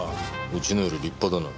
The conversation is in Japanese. うちのより立派だな。